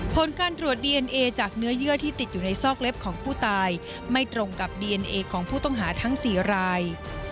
ผลการตรวจดีเอนเอจากเนื้อเยื่อที่ติดอยู่ในซอกเล็บของผู้ตายไม่ตรงกับดีเอนเอของผู้ต้องหาทั้ง๔ราย